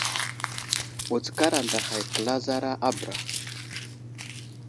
Wutskar anday hay kəlazara a bəra.